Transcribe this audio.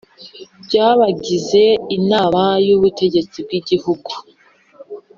by abagize Inama y Ubutegetsi bw’ igihugu